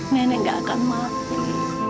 nenek gak akan mati